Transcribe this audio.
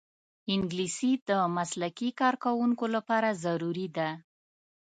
انګلیسي د مسلکي کارکوونکو لپاره ضروري ده